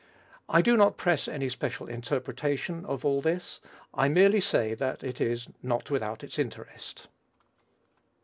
I do not press any special interpretation of all this: I merely say that it is not without its interest.